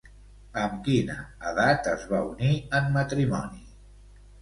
Amb quina edat es va unir en matrimoni?